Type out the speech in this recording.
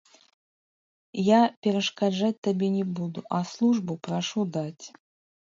Я перашкаджаць табе не буду, а службу прашу даць.